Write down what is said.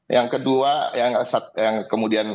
yang kedua yang kemudian